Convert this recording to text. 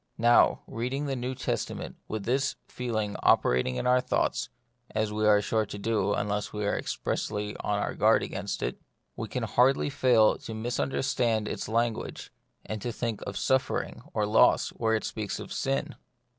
Now, reading the New Testament with this feeling operating on our thoughts — as we are sure to do unless we are expressly on our guard against it — we can hardly fail to mis understand its language, and to think of suf fering or loss where it speaks of sin.